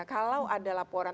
kalau ada laporan